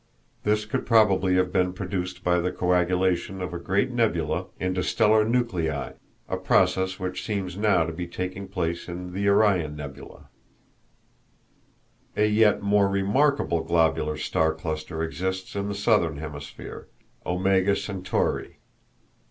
This could probably have been produced by the coagulation of a great nebula into stellar nuclei, a process which seems now to be taking place in the Orion Nebula. [Illustration: Great southern star cluster, Omega Centauri] A yet more remarkable globular star cluster exists in the southern hemisphere, Omega Centauri.